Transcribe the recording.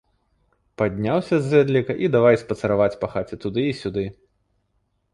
Падняўся з зэдліка і давай спацыраваць па хаце туды і сюды.